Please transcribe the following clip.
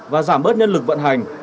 và giảm bớt nhân lực vận hành